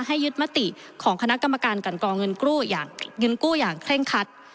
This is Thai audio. ให้ยึดมติของคณะกรรมการกันกองเงินกู้อย่างเงินกู้อย่างเคร่งคัด